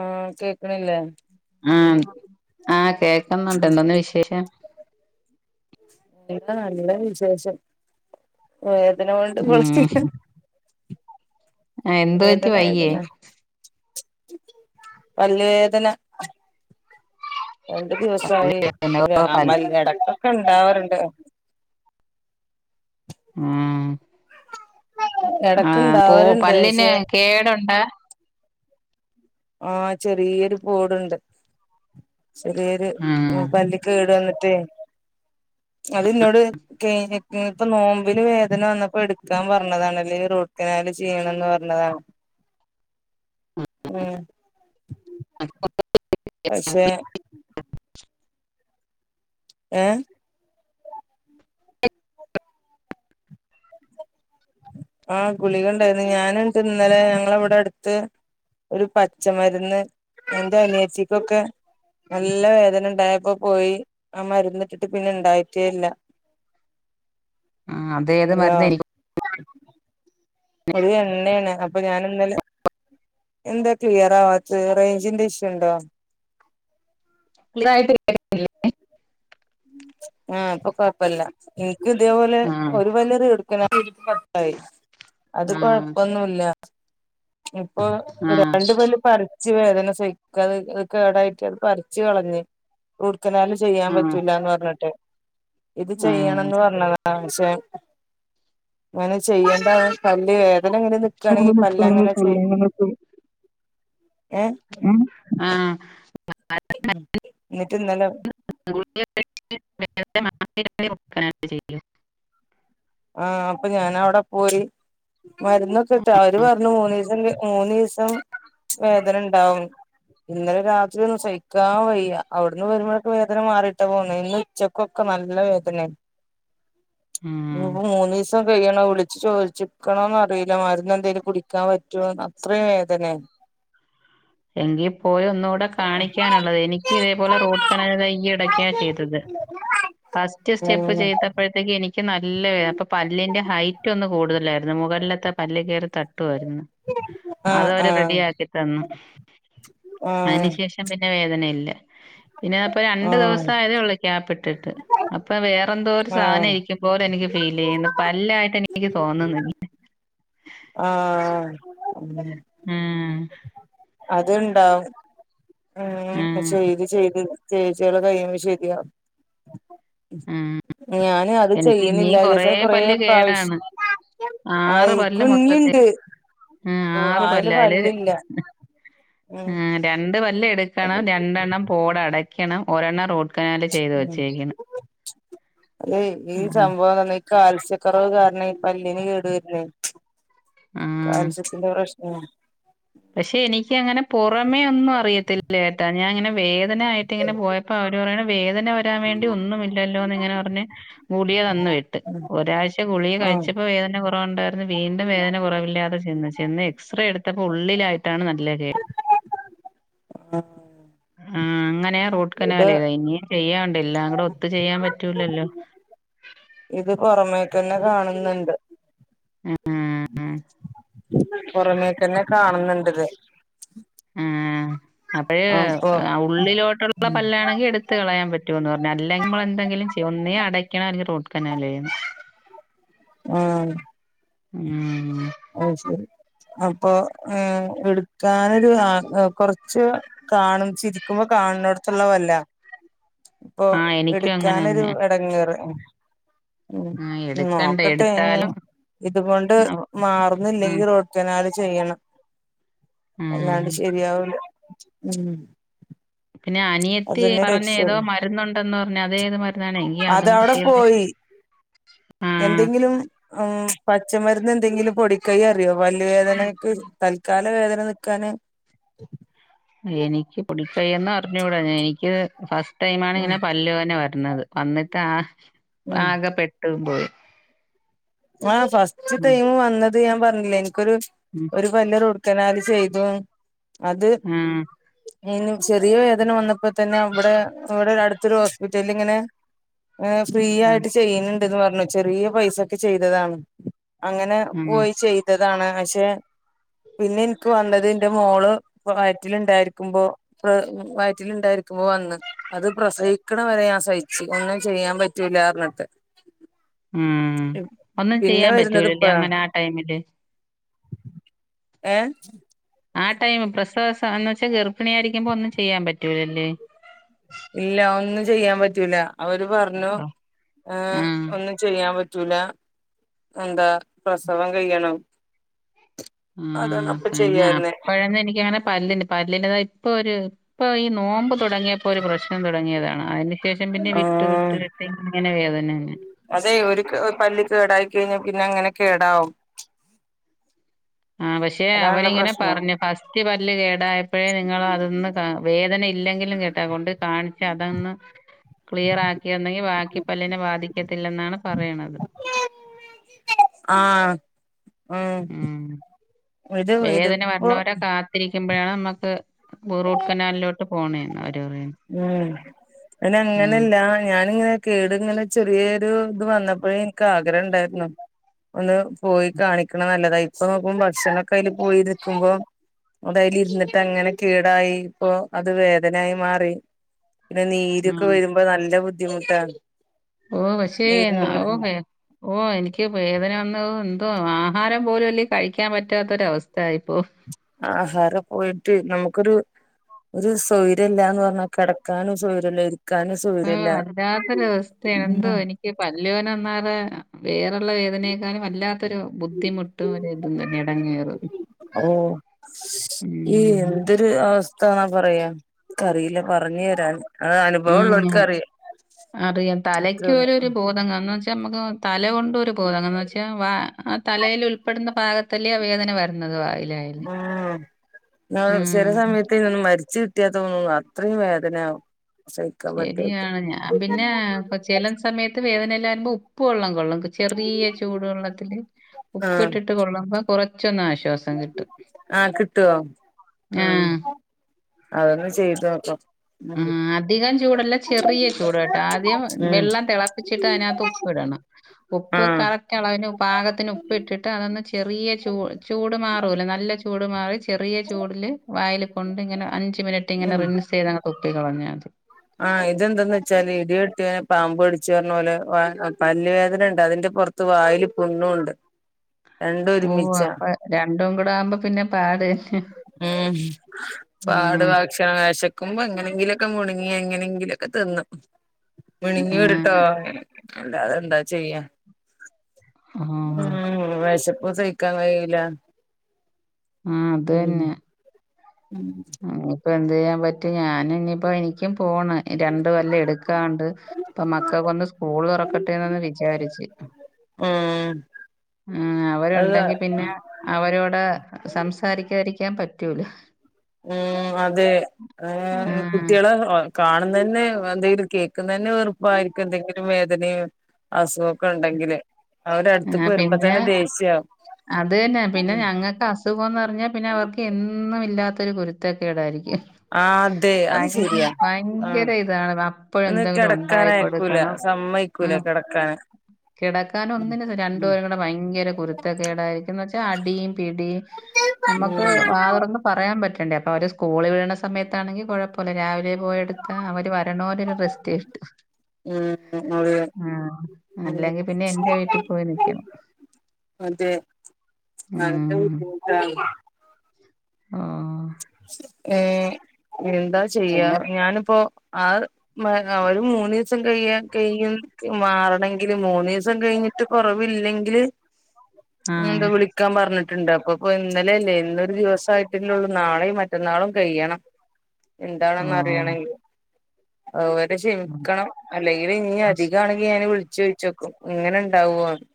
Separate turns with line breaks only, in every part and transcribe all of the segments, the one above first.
ആ കേക്ക്ണില്ലേ?
ആ ആ കേക്കുന്നുണ്ട് എന്തോന്ന് വിശേഷം?
എന്താ നല്ല വിശേഷം വേദന കൊണ്ട്
ഉം
പെ
എന്ത് പറ്റി
വേദന
വയ്യേ
ആയിരുന്നു പല്ലുവേദന. രണ്ടു ദിവസായി
എന്നോ പൽ
[unintelligible] എടക്കൊക്കെ ഇണ്ടാവാറുണ്ട്.
ഉം.
ഇടക്ക്
ആഹ്. പ്പൊ
ഇണ്ടാവാറുണ്ട്
പല്ലിന്
പക്ഷെ
കേടുണ്ട്?
ആഹ് ചെറിയൊരു കൂടുണ്ട്. ചെറിയൊരു
ഉം
പല്ല് കേടന്നിട്ടേ. അതിന്നോട്. ക്ലിനിക്കിൽത്തെ നോമ്പിന് വേദന വന്നപ്പോ എടുക്കാൻ പറഞ്ഞതാണ്. അല്ലെങ്കി റൂട്ട് കനാൽ ചെയ്യണം എന്ന് പറഞ്ഞ. ഞ്ഞതാണ്. ഉം. പക്ഷെ. ഏഹ്. ആഹ്. ഗുളിക ഉണ്ടായിരുന്നു. ഞാനിന്ന്ട്ട് ഇന്നലെ ഞങ്ങളവിടെ അടുത്ത്. ഒരു പച്ചമരുന്ന്, എന്റെ അനിയത്തിക്കൊക്കെ. നല്ല വേദന ഉണ്ടായപ്പോ പോയി, ആ മരന്ന്ട്ടിട്ട് പിന്നെ ഇണ്ടായിട്ടേ ഇല്ല.
ആഹ്. അതേത്
ഹലോ
മരുന്നാ? എനിക്കും -
ഒര് എണ്ണേണ്. അപ്പൊ ഞാന് ഇന്നലെ. എന്താ ക്ലിയർ ആവാത്തത് റേഞ്ചിന്റെ ഇഷ്യൂണ്ടോ?
ക്ലിയറായിട്ടില്ലേ?
ആഹ്. പ്പൊ കൊഴപ്പല്ല. എനിക്കും ഇതേപോലെ
ആ
ഒരു പല്ല് എടു- യി. [unintelligible] അത്
ആ
കൊഴപ്പൊന്നുല്ല. ഇപ്പൊ
ആ ആ
രണ്ടുപല്ല് പറി - വേദന സഹിക്കാതെ ആയിട്ട് അത് കേടായിട്ട് അത് പറിച്ച് കളഞ്ഞ്. റൂട്ട്ക്കനാല് ചെയ്യാൻ
ആ
പറ്റൂലാന്ന് പറഞ്ഞിട്ട്. ഇത്
ആ
ചെയ്യണംന്ന് പറഞ്ഞതാ. ആഹ്. പക്ഷെ അങ്ങനെ ചെയ്യണ്ട പല്ല് വേദന എങ്ങനെ, - ണെങ്കി പല്ല് അങ്ങനെ ചെയ്. ഏഹ്?
ഉം. ആഹ്.
എന്നിട്ട് ഇന്നലെ.
ചെയ [inaudible]
ആഹ്. അപ്പൊ ഞാൻ അവടെ പോയി. മരുന്നൊക്കെട്ടാ, അവര് പറഞ്ഞു മൂന്നീസം, മൂന്നു ദിസം വേദന ഉണ്ടാവും. ഇന്നലെ രാത്രി ഒന്നും സഹിക്കാൻ വയ്യ. അവിടന്ന് വരുമ്പോഴൊക്കെ വേദന മാറിയിട്ടാ പോന്നത്. ഇന്ന്- ച്ചക്കൊക്കെ നല്ല വേദനേയിന്
ഉം.
ഇപ്പോ മൂന്ന് ദിവസം കഴിയണം. വിളിച്ച് ചോദിച്ചിക്കണോന്ന് അറിയില്ല മരുന്ന് എന്തേങ്കിലും കുടിക്കാൻ പറ്റോന്ന് അത്ര വേദനെ.
എങ്കി പോയി ഒന്നുകൂടെ കാണിക്കാനുള്ളതാ. എനിക്ക് ഇതേപോലെ റൂട്ട് കനാൽ ഈയിടെക്കാണ് ചെയ്തത്. ഫസ്റ്റ് സ്റ്റെപ്പ് ചെയ്തപ്പെഴ്‌ - ക്ക് എനിക്ക് നല്ല വേ, അപ്പൊ പല്ലിന്റെ ഹൈറ്റ് ഒന്ന് കൂടുതലായിരുന്നു. മുകളിലത്തെ പല്ല് കയറി തട്ടുയിരുന്നു.
ആ ആ
അതവര് റെഡിയാക്കി തന്നു.
ആ
അതിനു ശേഷം പിന്നെ വേദനയില്ല. പിന്നെപ്പോ
ആ
രണ്ടു ദിവസം ആയതേ ഉള്ളൂ. ഗ്യാപ്പിട്ടിട്ട്. അപ്പൊ വേറെന്തോ ഒരു
ആ ആ
സാധനയിരി. പോലെ എനിക്ക് ഫീൽ യ്യുന്നു. പല്ല ആയിട്ട് എനിക്ക് തോന്നുന്നില്ല.
ആഹ്.
അഹ്.
അത്ണ്ടാവും.
ഉം
ചെയ്ത് ചെയ്ത് ചേയ്ച്ചോളെകഴിയുമ്പോ ശരിയാകും.
ഉം.
ഞാന് അത്
എനിക്ക്
ചെയ്യുണില്ല
ഇനിയും
വിചാരിച്ച് അത് കൊറേ
പല്ല് കേടാണ്
പ്രാവശ്യം
ആറ്
അയ്
പല്ല് മൊത്തത്തിൽ
ക്കുഞ്ഞിണ്ട്
ഉം, ആറ്
വായെല്
പല്ല്
പല്ലില്ല.
അതില്
ഉം
ആഹ് രണ്ട് പല്ല്
അത്
എടുക്കണം. രണ്ടെണ്ണം പോട് അടക്കണം. ഒരെണ്ണം റോട്ട്
ഉം അതെ ഈ
ആഹ്
സംഭവം തന്നെ കാൽസ്യക്കുറവ് കാരണ ഈ പല്ലിന് കേടു വരുന്നേ.
ആഹ്.
കാൽസ്യ ത്തിൻ്റെ പ്രശ്ന.
പക്ഷെ എനിക്ക് അങ്ങനെ പുറമേ ഒന്നും അറിയത്തില്ല കേട്ടാ. ഞാൻ ഇങ്ങനെ വേ ദന ആയിട്ട് ഇങ്ങനെ പോയപ്പോ അവര് പറയണെ വേദന വരാ വേണ്ടി ഒന്നും ഇല്ലല്ലോന്ന് ഇങ്ങനെ പറഞ്ഞ്. ഗുളിക തന്ന് വിട്ട്.
ഉം
ഒരാഴ്ച്ച ഗുളിക
ഉം
കഴിച്ചപ്പോ വേദന കൊ റവുണ്ടായിരുന്നു. വീണ്ടും വേദന കുറവില്ലാതെ ചെന്ന്. ചെന്ന് എക്സ്ര എടുത്തപ്പോ ഉ ള്ളിലായിട്ടാണ് നല്ല കേട്. ആഹ് അങ്ങനെയാ റൂ ട്ട്
ഇത്
കനാല് കഴിഞ്ഞ്. ഇനിയും ചെയ്യാണ്ട്. എല്ലാം കൂടെ ഒത്തു ചെയ്യാൻ പറ്റൂലല്ലോ.
ഇത് പുറമേക്കന്നെ കാണുന്നുണ്ട്.
ആഹ്
പൊറമേക്കന്നെ കാണുന്നുണ്ട് ത്.
ആഹ് അപ്പഴ്
അപ്പൊ
ഉള്ളിലോട്ടുള്ള
ഉം
പല്ലാണെങ്കി എടു ത്ത് കളയാൻ പറ്റുവെന്ന് പറഞ്ഞ്. അല്ലെങ്കി നമ്മളെന്തെങ്ങിലും ചെയ്യ. ഒന്നേ അടക്കണം. എല്ലെങ്കി റൂട്ട് കനാലെയ്യണം.
ആഹ്
ഉം
അയ്ശരി. അപ്പൊ ഏഹ് എടുക്കാനൊരു ആഹ് കുറച്ച് കാണും. ചിരിക്കുമ്പോ കാണുന്നൊടത്തുള്ള പല്ല. പ്പൊ
ആഹ് എനിക്കും
എടുക്കാനൊരു
അങ്ങനെന്നെ
എടങ്ങേറ്. ഉം
ആഹ് എടുക്കണ്ട
നോക്കട്ടെ.
എടുത്താലും
ഇതുകൊണ്ട്
അവ ഉം
മാറുന്നില്ലെങ്കി റൂട്ട് കനാല് ചെയ്യണം.
ഉം
അല്ലാണ്ട് ശെരിയാവൂല. ഉം
പിന്നെ അനിയത്തി
അതന്നെ
പറഞ്ഞ ഏതോ
രക്ഷയുള്ളൂ
മരുന്നുണ്ടെന്ന് പറഞ്ഞ്. അത് ഏത് മരുന്നാണ്. എങ്കി അതും കിട്ടീർന്നേ
ഈ എന്തെങ്കിലു ഉം പച്ചമരുന്ന് എന്തെങ്കിലും പൊടിക്കൈ അറിയോ? പല്ലു വേദനക്ക്. തല് ക്കാല വേദന നിക്കാന്.
എനിക്ക് പൊടിക്കയ്യൊന്ന് അറിഞ്ഞൂട. എനിക്ക് ഫസ്റ്റ് ടൈമാണ്
ഉം
ഇങ്ങനെ പല്ല് വേന വരണത്. വന്നിട്ട് ആഹ്
ഉം
ആകെ പെട്ടും പോയി.
ആഹ് ഫസ്റ്റ്
ഉം
ടൈം വന്നത് ഞാൻ പറഞ്ഞില്ലെ എനിക്കൊരു
ഉം
ഒരു പല്ല് റൂട്ട് കനാല് ചെയ്തു. അത്
ആഹ്
യിന് ചെറിയ വേദന വന്നപ്പോ തന്നെ ഇവിടെ ഇവിടൊരു അടുത്തൊരു ഹോസ്പിറ്റല് ഇങ്ങനെ ഏഹ് ഫ്രീ
ആഹ്
ആയിട്ട് ചെയ്യുന്നുണ്ട്ന്ന് പറഞ്ഞു. ചെറിയ പൈസക്ക് ചെയ്തതാണ്. അങ്ങനെ
ആഹ്
പോയി ചെയ്തതാണ്. പക്ഷെ പിന്നെ എനിക്ക് വന്നത് ന്റെ മോള് വയറ്റില് ണ്ടായിരിക്കുമ്പോ. പ്പൊ വയറ്റില് ഉണ്ടായിരിക്കുമ്പോ വന്ന. അത് പ്രസവിക്കണ വരെ ഞാൻ സഹിച്ച്. ഒന്നും ചെയ്യാപറ്റൂല പറഞ്ഞിട്ട്.
ഉം ഒന്നും
പിന്നെ
ചെയ്യാൻ
വരുന്നത്
പറ്റൂലല്ലേ
ഇപ്പഴാ
അങ്ങനെ ആഹ് ടൈമില്.
ഏഹ്
ആഹ് ടൈം പ്രസവസം എന്ന് വെച്ചാ ഗർഭിണി ആയി രിക്കുമ്പൊ ഒന്നും ചെയ്യാൻ പറ്റൂലല്ലേ.
ഇല്ല. ഒന്നും ചെയ്യാൻ പറ്റൂല. അവര് പറഞ്ഞു.
ആഹ്.
ഏഹ് ഒന്ന് ചെയ്യാ പറ്റൂല. എന്താ പ്രസവം കഴിയണം. അതാണ്
ആഹ്
അപ്പൊ
പിന്നെ
ചെയ്യാരുന്നേ
അപ്പഴന്ന് എനിക്കങ്ങനെ പല്ലിന് പല്ലിന് ദാ ഇപ്പൊര് ഇപ്പൊ ഈ നോമ്പ് തുടങ്ങിയപ്പോ ഒരു പ്രശ്നം തുടങ്ങിയതാണ് അതിന് ശേഷം പിന്നെ വിട്ട് വിട്ട്
ആഹ്
വിട്ട് ഇങ്ങനെ വേദനയന്നെ
അതെ ഒരു പല്ല് കേടായി കഴിഞ്ഞാ പിന്നെ അങ്ങനെ കേടാവും
ആഹ് പക്ഷെ
അതാണല്ലോ
അവരിങ്ങനെ
പ്രശ്നം
പറഞ്ഞു ഫസ്റ്റ് പല്ല് കേടായപ്പഴേ നിങ്ങള് അതൊന്ന് വേദന ഇല്ലെങ്കിലും കേട്ടോ കൊണ്ട് കാണിച്ച് അതൊന്ന് ക്ലിയറാക്കിയെന്നെങ്കി ബാക്കി പല്ലിനെ ബാധിക്കത്തില്ലെന്നാണ് പറയ്ണത്
ആഹ് ഉം ഇത് ഇത്പ്പൊ
ത്തിരിക്കുമ്പഴാണ് നമ്മക്ക് റൂട്ട് കനാലിലോട്ട് പോണേന്ന് അവര് പറയ്ന്ന്
ഉം അയിന് അങ്ങനല്ല ഞാനിങ്ങനെ കേട്ങ്ങനെ ചെറിയൊരു ഇത് വന്നപ്പോഴേ ഇൻക്ക് ആഗ്രഹം ഇണ്ടായിരുന്നു ഒന്ന് പോയി കാണിക്കണത് നല്ലതാ ഇപ്പൊ നോക്കുമ്പം ഭക്ഷണൊക്കെ അയില് പോയി നിക്കുമ്പോ അത് അയിലിരുന്നിട്ട് അങ്ങനെ കേടായി ഇപ്പൊ അത് വേദനായി മാറി പിന്നെ നീരൊക്കെ
ഉം.
വരുമ്പോ നല്ല ബുദ്ധിമുട്ടാണ്
ഓഹ് പക്ഷേ
നീരിന്റെ
എന്നാവോ ഓഹ്
പ്രശ്നം
വേദന ഓഹ് എനിക്ക് വേദനവന്ന് എന്തോ ആഹാരം പോലും അല്ലേ കഴിക്കാൻ പറ്റാത്ത ഒരു അവസ്ഥയായിപ്പോ
ആഹാരം പോയിട്ട് നമുക്കൊരു ഒരു സൊയിര്യം ഇല്ലാന്ന് പറഞ്ഞാ കിടക്കാനും സൊയ്ര്യല്ല ഇരിക്ക
ആഹ് വല്ലാത്തൊരു അവസ്ഥയാണ് എന്തോ
ഉം
എനിക്ക് പല്ല് വേദന ഒന്നാമതെ വേറള്ള വേദനയെക്കാളും വല്ലാത്തൊരു ബുദ്ധിമു ട്ടും ഒരേ ഇതും തന്നെ എടങ്ങേറ്
ഓഹ് ഈ എന്ത് അവസ്ഥാന്നാ പറയാ ഇൻക്ക് അറീല്ല പറഞ്ഞു തരാൻ അഹ് അനുഭവം ഇള്ളോൽക്ക്
ഉം.
അറിയും അത്രൊള്ളു
ങ്ങാന്ന് വെച്ചാ നമ്മക്ക് തലകൊണ്ടാരു [unintelligible] എന്നങ്ങ് വെച്ചാൽ ആ തലയില് ഉൾപ്പെടുന്ന ഭാഗ ത്തല്ലിയോ ആ വേദന വരുന്നത് വായിലേ
ആഹ് ചെല
ഉം.
സമയത്ത് ഇതൊന്ന് മരിച്ച് കി ട്ടിയ തോന്നുംന്ന് അത്രയും വേദനയാവും പറ്റായിട്ട്
ശരിയാണ് ഞാൻ പിന്നെ അപ്പ ചെല സമയത്ത് വേദന ഇല്ലാത വരുമ്പോ ഉപ്പ് വെള്ളം കൊള്ളും ചെറിയ ചൂടു വെള്ളത്തില് ഉപ്പ്
ആഹ്
ഇട്ടിട്ട് കൊള്ളുമ്പം കൊറച്ചൊന്ന് ആശ്വാസം കിട്ടും.
ആഹ് കിട്ടുവോ? ആഹ്
ആ.
അതൊന്ന് ചെയ്തോക്കാം
ഉം അധികം ചൂടല്ല ചെറിയ ചൂട് കേട്ടോ ആദ്യം
ഉം
വെള്ളം തിളപ്പിച്ചിട്ട് അതിനകത്ത് ഉപ്പ് ഇടണം ഉപ്പ്
ആഹ്
കറക്റ്റ് അളവിന് പാകത്തിന് ഉപ്പ് ഇട്ടിട്ട് അതൊന്ന് ചെറിയ ചൂ ചൂട് മാറുവല്ലേ? നല്ല ചൂട് മാറി ചെറിയ ചൂടില് വായില് കൊണ്ട് ഇങ്ങനെ അഞ്ച് മിനിറ്റ് ഇങ്ങനെ
ഉം
റിൻസ് ചെയ്തങ്ങ് തുപ്പി കളഞ്ഞാ മതി
ആഹ് ഇത് എന്തന്ന് വെച്ചാല് ഇടി വെട്ടിയവനെ പാമ്പ് കടിച്ച് പറഞ്ഞ പോലെ പല്ല് വേദനണ്ട് അതിന്റെ പുറ ത്ത് വായില് പുണ്ണുംണ്ട്
ഓഹ് അപ്പൊ രണ്ടും കൂടെ ആകുമ്പോ പിന്നെ പാട് തന്നെ
ഉം പാടു
ഉം,
വെ ഭക്ഷണം വെശക്കുമ്പോ എങ്ങനെങ്കിലൊക്കെ മുൾങ്ങി എങ്ങനെങ്കിലൊക്കെ തിന്നും
ഉം,
മുണുങ്ങി വിടട്ടോ
ഉം.
അല്ലാതെന്താ ചെയ്യാ
ആ
ഉ വെശപ്പും സഹിക്കാൻ കഴിയീല്ല
ഉം അത് തന്നെ
ഉം
ഇനി ഇപ്പ എന്ത്‌ ചെയ്യാൻ പറ്റും ഞാൻ ഇനിയിപ്പോ എനിക്കും പോണം ഈ രണ്ട് പല്ല് എടുക്കാനുണ്ട് ഇപ്പൊ മക്കക്ക്‌ ഒന്ന് സ്കൂൾ തൊറക്കട്ടെന്ന് ഒന്ന് വിചാരിച്ച്
ആഹ്
ഉം അവരുണ്ടെങ്കി പിന്നെ അവരോട് സംസാരിക്കാതിരിക്കാൻ പറ്റൂല
ഉം അതെ
ആഹ്
കുട്ടികള് - കാണുന്നതന്നെ എന്തെങ്കിലും കേൾക്കുന്നെ തന്നെ വെറുപ്പായിരിക്കും എന്തെങ്കിലും വേദനയും- അസുഖവൊക്കെ ഉണ്ടെങ്കില്
ആഹ്
അവരടുത്തേക്ക് വരുമ്പോ
പിന്നെ
തന്നെ ദേഷ്യാവും
അത് തന്നെ പിന്നെ
ഉം
ഞങ്ങൾക്ക്- അസുഖം എന്ന്പറ്ഞ്ഞാ പിന്നെ അവർക്കെന്നും ഇല്ലാത്തൊരു കുരുത്തെക്കേടായിരിക്കും
ആതെ അത്ശരിയാ ആഹ്
ഇതാണ്
ഒന്ന്
അപ്പഴെന്തെങ്കിലും ഉണ്ടായി
കെടക്കാനയ്ക്കൂല
കൊടുക്കണം.
സമ്മയ് കൂല കെടക്കാന്
കെടക്കാൻ ഒന്നിനും ര - രണ്ട് പേരുംകൂടെ ഭയങ്കര കുരുത്തെക്കെടായിരിക്കും എന്ന് വെച്ചാ അടിംപിടിം അമ്മക്ക് വാ തൊറ - പറയാൻ പറ്റേണ്ടേ അപ്പ അവര് സ്കൂളി വിടണ സമയത്താണെങ്കി കൊഴപ്പമില്ല രാവിലെ പോയെടുത്താ അവര് വരണവരെ ഒരു റെസ്റ്റ് [unintelligible]
ഉം അതെ
ആഹ്
ഉം
അല്ലെങ്കിപിന്നെ എന്റെവീട്ടി നിക്കണം
അതെ നല്ല
ഉം
[unintelligible]
ആഹ്
ഏ എന്താചെയ്യ
പിന്നെ
ഞാനിപ്പോ അഹ് മ്മ ഒരു മൂന്നി [unintelligible] മാറണെങ്കില് മൂന്ന് ദിവസം കഴിഞ്ഞിട്ട് കൊറവില്ലെങ്കില്-
[inaudible]
വീണ്ടും വിളിക്കാൻ പറഞ്ഞിട്ടുണ്ട് അപ്പക്കൊ ഇന്നലല്ലേ ഇന്നൊരു ദിവസായിട്ടല്ലാള്ളു നാളെയും - മറ്റന്നാളും കഴിയണം എന്താണെന്ന്
ഓഹ്.
അറിയണെങ്കി അതുവരെ
ഉം.
ക്ഷമിക്കണം അല്ലെങ്കില് ഇഞ്ഞി
ഭക്ഷ്
അധികാണെങ്കി ഇല്ലേ അയിനെ വിളിച്ച് ചോദിച്ചു നോക്കും ഇങ്ങനെണ്ടാവോന്ന്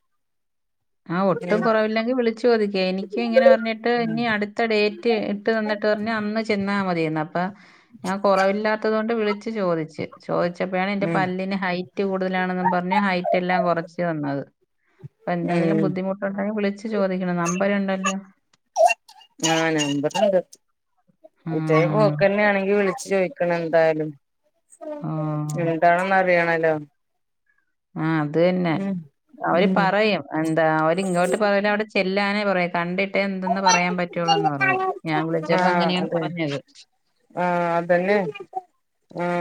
ആഹ് ഒട്ടും കൊറവില്ലെങ്കി വിളിച്ചു ചോദിക്ക് എനിക്ക് ഇങ്ങനെ പറഞ്ഞിട്ട്
ഉം
ഇഞ്ഞി അടുത്ത ഡേയ്റ്റ് ട്ട് വന്നിട്ട് പറഞ്ഞ് അന്ന് ചെന്നാ മതിയെന്ന് അപ്പൊ ഞാൻ കൊറവില്ലാത്തതതോണ്ട് വിള്ച്ച് ചോദിച്ച് ചോദിച്ചപ്പഴാണ് എന്റെ
ഉം
പല്ലിന് ഹൈറ്റ് കൂടുതലാണെന്നും പറഞ്ഞ് ഹൈറ്റെല്ലാം കൊറച്ച് തന്നത് അപ്പ എന്തെങ്കിലും
ഉം
ബുദ്ധിമുട്ടുണ്ടെങ്കി വിളിച്ചുചോദിക്കണം നമ്പര് ഉണ്ടല്ലോ
ആഹ് നമ്പറ് ഒണ്ട് ഇതേ
ആഹ്.
പോക്ക്‌ തന്നെയാണെങ്കി വിളി ച്ച് ചോയിക്കണം എന്തായാലും
ഓഹ്.
എന്താണെന്ന് അറിയണല്ലോ
ആഹ് അത് തന്നെ
ഉം
അവര്
ഉം
പറയും അന്താ അവരിങ്ങോട്ട് പകരം പോവൂലാ അവിടെ ചെല്ലാനെ പറയൂ കണ്ടി റ്റെ എന്തെന്ന് പറയാൻ പറ്റൊള്ളൂന്ന് പറയും ഞാൻ വിളിച്ചപ്പോ
ആഹ്
അങ്ങനെയാണ്
അതെ
പറഞ്ഞത്
ആഹ് അത് തന്നെ ആഹ്